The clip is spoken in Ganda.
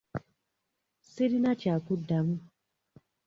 Sirina kyakuddamu.